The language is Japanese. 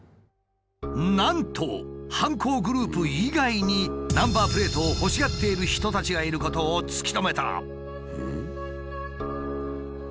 なんと犯行グループ以外にナンバープレートを欲しがっている人たちがいることを突き止めた。